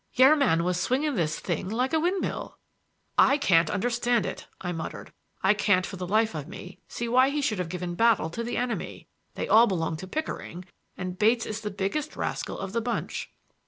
Your man was swinging this thing like a windmill." "I can't understand it," I muttered. "I can't, for the life of me, see why he should have given battle to the enemy. They all belong to Pickering, and Bates is the biggest rascal of the bunch."